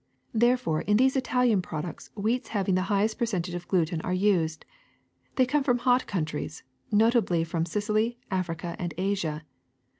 Therefore in these Italian products wheats having the highest percentage of gluten are used. They come from hot countries, notably from Sicily, Africa, and Asia.